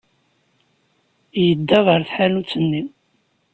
Yedda ɣer tḥanut-nni.